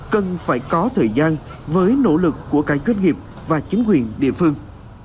cần phải có thời gian với nỗ lực của cái kết nghiệp và chính quyền địa phương